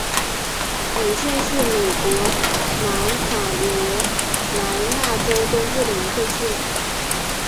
李县是美国南卡罗莱纳州东部的一个县。